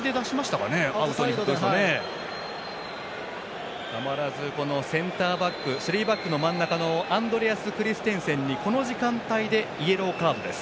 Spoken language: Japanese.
たまらずセンターバックスリーバックの真ん中のアンドレアス・クリステンセンにこの時間帯でイエローカードです。